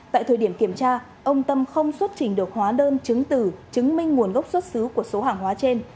tại thời điểm kiểm tra ông tâm không xuất trình được hóa đơn chứng từ chứng minh nguồn gốc xuất xứ của số hàng hóa trên